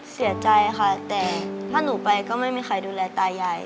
เสียใจค่ะแต่ถ้าหนูไปก็ไม่มีใครดูแลตายาย